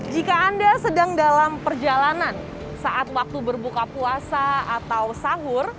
jika anda sedang dalam perjalanan saat waktu berbuka puasa atau sahur